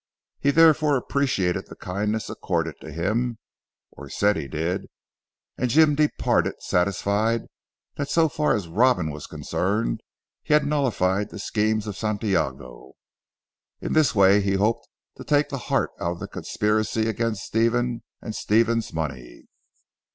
He therefore appreciated the kindness accorded to him or said he did and Jim departed satisfied that so far as Robin was concerned, he had nullified the schemes of Santiago. In this way he hoped to take the heart out of the conspiracy against Stephen and Stephen's money.